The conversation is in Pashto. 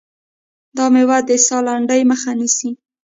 دا مېوه د ساه لنډۍ مخه نیسي.